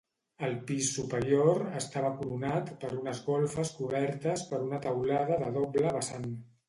El pis superior estava coronat per unes golfes cobertes per una teulada de doble vessant.